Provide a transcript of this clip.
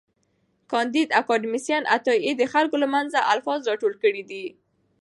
کانديد اکاډميسن عطايي د خلکو له منځه الفاظ راټول کړي دي.